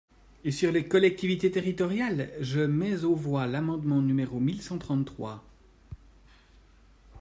Et sur les collectivités territoriales ? Je mets aux voix l’amendement numéro mille cent trente-trois.